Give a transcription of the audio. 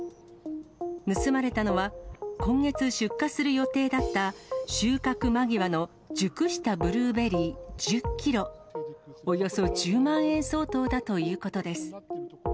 盗まれたのは、今月出荷する予定だった、収穫間際の熟したブルーベリー１０キロ、およそ１０万円相当だということです。